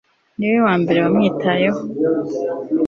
niwe wambere wamwitayeho